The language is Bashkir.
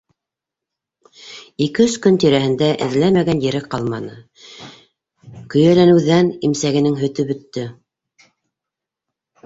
Ике-өс көн тирәһендә эҙләмәгән ере ҡалманы, көйәләнеүҙән имсәгенең һөтө бөттө.